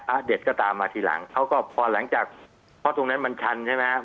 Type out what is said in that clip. เด็กก็ตามมาทีหลังเขาก็พอหลังจากเพราะตรงนั้นมันชันใช่ไหม